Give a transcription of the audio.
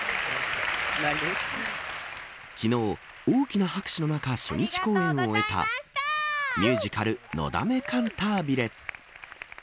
昨日、大きな拍手の中初日公演を終えたミュージカルのだめカンタービレ。